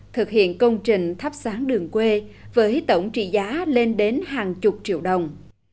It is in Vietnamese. thực hiện công trình thắp sáng đường quê với tổng trị giá lên đến hàng chục triệu đồng